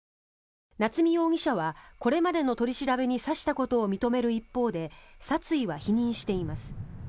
夏見容疑者はこれまでの取り調べに刺したことを認める一方で殺意は否認しています。